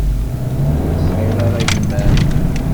Ur tesɛiḍ ara yemma-m?